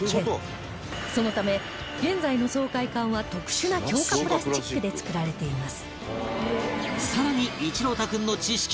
そのため現在の掃海艦は特殊な強化プラスチックで造られています